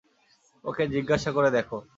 ওকে জিজ্ঞাসা করে দেখো।